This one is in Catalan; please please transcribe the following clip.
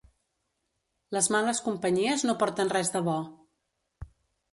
Les males companyies no porten res de bo.